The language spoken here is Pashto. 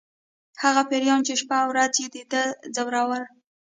هغه پیریان چې شپه او ورځ یې د ده ځورول